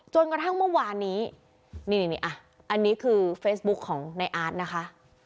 จนกระทั่งเมื่อวานนี้นี่อันนี้คือเฟซบุ๊คของในอาร์ตนะคะ